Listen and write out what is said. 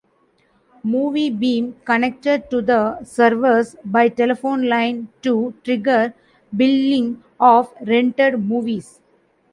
MovieBeam connected to the servers by telephone line to trigger billing of rented movies.